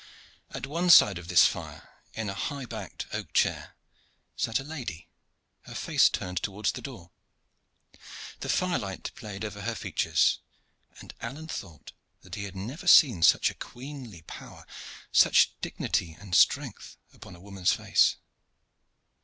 At one side of this fire, in a high backed oak chair, sat a lady, her face turned towards the door. The firelight played over her features, and Alleyne thought that he had never seen such queenly power, such dignity and strength, upon a woman's face.